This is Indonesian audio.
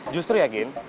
justru ya gin